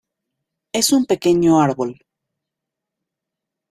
Es un pequeño árbol.